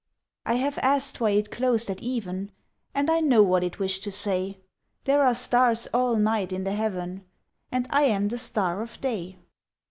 I have asked why it closed at even, And I know what it wished to say: There are stars all night in the heaven, And I am the star of day.